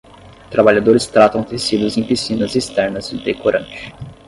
Trabalhadores tratam tecidos em piscinas externas de corante.